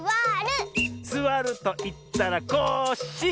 「すわるといったらコッシー！」